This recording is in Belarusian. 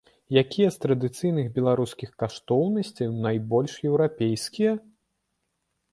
Якія з традыцыйных беларускіх каштоўнасцяў найбольш еўрапейскія?